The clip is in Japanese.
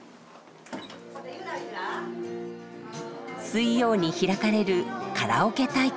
水曜に開かれるカラオケ大会。